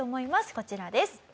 こちらです。